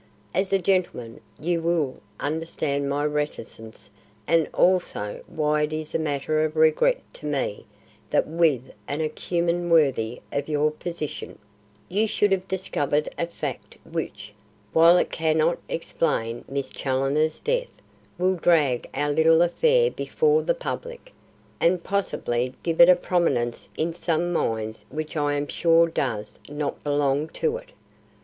As a gentleman you will understand my reticence and also why it is a matter of regret to me that with an acumen worthy of your position, you should have discovered a fact which, while it cannot explain Miss Challoner's death, will drag our little affair before the public, and possibly give it a prominence in some minds which I am sure does not belong to it.